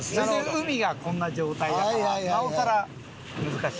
海がこんな状態だからなおさら難しい。